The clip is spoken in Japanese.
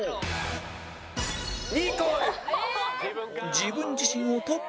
自分自身をトップに